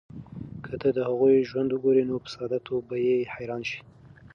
که ته د هغوی ژوند وګورې، نو په ساده توب به یې حیران شې.